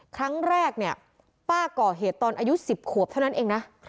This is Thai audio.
ครั้งแรกเนี่ยป้าก่อเหตุตอนอายุ๑๐ขวบเท่านั้นเองนะ